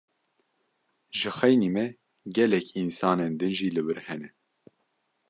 Ji xeynî me gelek însanên din jî li wir hene.